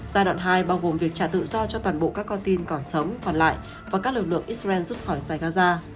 giai đoạn hai bao gồm việc trả tự do cho toàn bộ các con tin còn sống còn lại và các lực lượng israel rút khỏi giải gaza